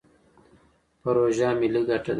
پروژه ملي ګټه ده.